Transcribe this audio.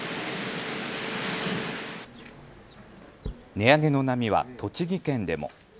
値上げの波は栃木県でも。